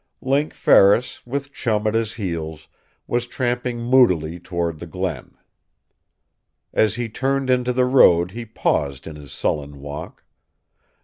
Link Ferris, with Chum at his heels, was tramping moodily toward the Glen. As he turned into the road he paused in his sullen walk.